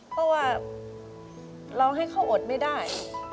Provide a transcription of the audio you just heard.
เพราะว่าเราให้เขาอดไม่ได้